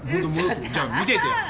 「じゃあ見ててよ！